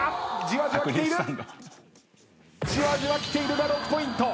じわじわきているが６ポイント。